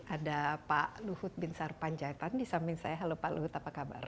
ada pak luhut bin sarpanjaitan di samping saya halo pak luhut apa kabar